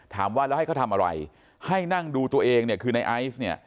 ถามว่าแล้วให้เขาทำอะไรให้นั่งดูตัวเองเนี่ยคือในไอซ์เนี่ย